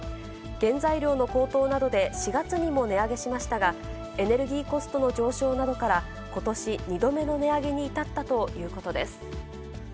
原材料の高騰などで４月にも値上げしましたが、エネルギーコストの上昇などから、ことし２度目の値上げに至ったということです。